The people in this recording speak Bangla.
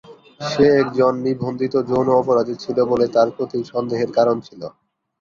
সে একজন নিবন্ধিত যৌন অপরাধী ছিল বলে তার প্রতি সন্দেহের কারণ ছিল।